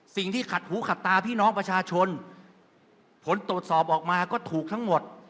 สิ่งที่ขัดหูขัดตาพี่น้องประชาชนผลตรวจสอบออกมาก็ถูกทั้งหมด